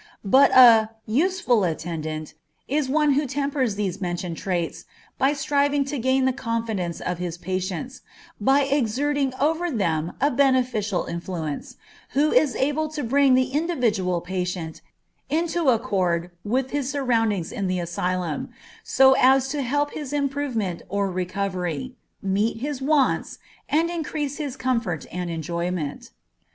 But a "useful attendant" is one who tempers these mentioned traits, by striving to gain the confidence of his patients, by exerting over them a beneficial influence, who is able to bring the individual patient into accord with his surroundings in the asylum, so as to help his improvement or recovery, meet his wants, and increase his comfort and enjoyment.